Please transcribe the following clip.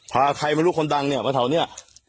พาใครมารู้คนดังเนี่ยเท่านี้